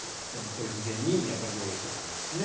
これ、事前にやっぱり用意していたんですね